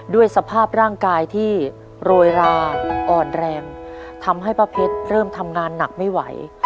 ด้วยสภาพร่างกายที่โรยราอ่อนแรงทำให้ป้าเพชรเริ่มทำงานหนักไม่ไหว